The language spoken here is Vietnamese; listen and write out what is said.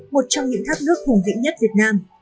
một trong những tháp nước hùng vĩnh nhất việt nam